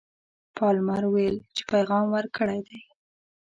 پالمر ویل چې پیغام ورکړی دی.